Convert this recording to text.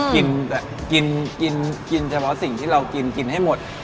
กินแต่กินกินเฉพาะสิ่งที่เรากินกินให้หมด